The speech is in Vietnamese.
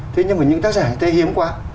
thế nhưng mà những tác giả hay thế hiếm quá